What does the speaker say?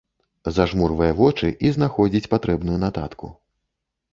Зажмурвае вочы і знаходзіць патрэбную нататку.